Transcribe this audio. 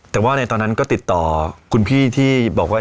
แต่ว่าในตอนนั้นก็ติดต่อคุณพี่ที่บอกว่า